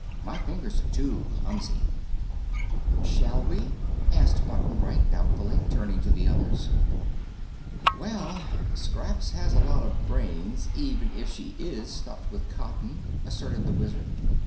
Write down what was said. My fingers are too clumsy." "Shall we?" asked Button Bright doubtfully, turning to the others. "Well, Scraps has a lot of brains, even if she IS stuffed with cotton," asserted the Wizard.